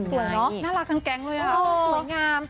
สวยเนอะน่ารักแกงเลยอะ